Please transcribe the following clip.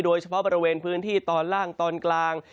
โดยเฉพาะบริเวณพื้นที่ตอนล่างตอนกลาง